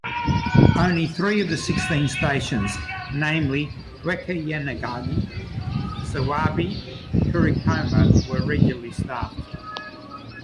Only three of the sixteen stations, namely Wakayanagi, Sawabe, Kurikoma were regularly staffed.